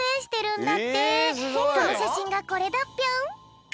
そのしゃしんがこれだぴょん。